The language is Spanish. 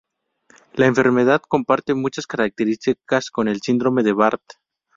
La enfermedad comparte muchas característica con el Síndrome de Barth.